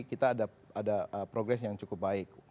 kita ada progress yang cukup baik